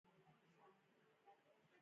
هېڅ عمل ونه کړي.